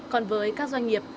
còn với các doanh nghiệp